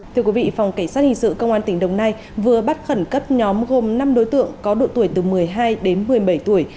thưa quý vị phòng cảnh sát hình sự công an tỉnh đồng nai vừa bắt khẩn cấp nhóm gồm năm đối tượng có độ tuổi từ một mươi hai đến một mươi bảy tuổi